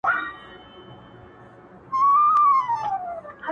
دونه پوچ کلمات -